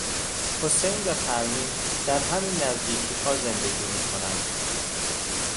حسین و پروین در همین نزدیکیها زندگی میکنند.